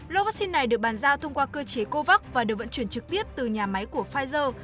lô vaccine này được bàn giao thông qua cơ chế covax và được vận chuyển trực tiếp từ nhà máy của pfizer